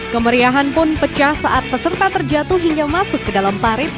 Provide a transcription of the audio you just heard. kemeriahan pun pecah saat peserta terjatuh hingga masuk ke dalam parit